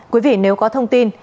quý vị nếu có thông tin